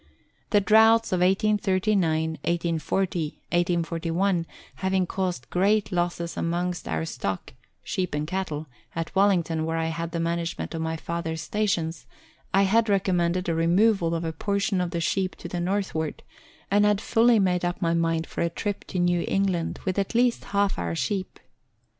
The droughts of 1839, 1840, 1841 having caused great losses amongst our stock (sheep and cattle) at Wellington where I had the management of my father's stations, I had recommended a removal of a portion of the sheep to the northward, and had fully made up my mind for a trip to New England with at least half our sheep.